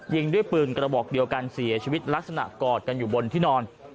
ยิงด้วยปืนกระบอกเดียวกันเสียชีวิตลักษณะกอดกันอยู่บนที่นอน